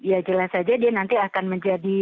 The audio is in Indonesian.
ya jelas saja dia nanti akan menjadi